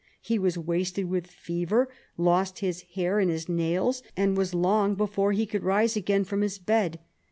He was wasted with fever, lost his hair and his nails, and was long before he could rise again from his bed.